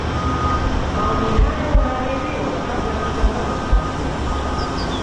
maoni haya uhaririwa kabla ya kutangazwa kwa hadhira